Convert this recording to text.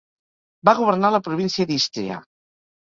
Va governar la província d'Ístria.